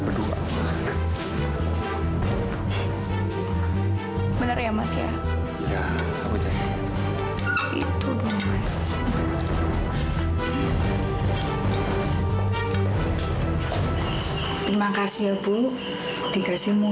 terima kasih papa